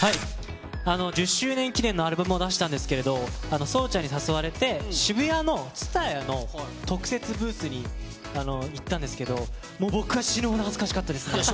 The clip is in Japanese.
１０周年記念のアルバムを出したんですけど、聡ちゃんに誘われて渋谷のＴＳＵＴＡＹＡの特設ブースに行ったんですけど、死ぬほど恥ずかしかったですね。